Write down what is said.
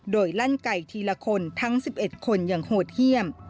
โดยลั่นไก่ทีละคนทั้ง๑๑คนอย่างโหดเยี่ยม